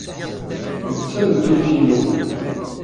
Nekk d tameddurt-inu.